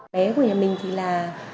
bé của nhà mình thì là